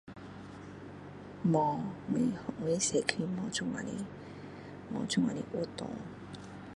没有。我的社区没有这样